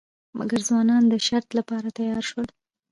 مګر ځوانان د شرط لپاره تیار شول.